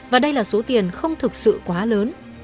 và đây là số tiền không thực sự quá lớn